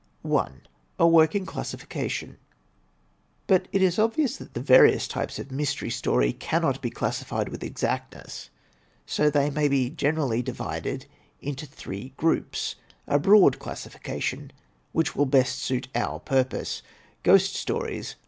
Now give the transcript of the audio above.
A Working ClassificcUion But it is obvious that the various types or kinds of mystery story cannot be classified with exactness; so they may be generally divided into three groups — ^a broad classification which will best suit our purpose: Ghost stories.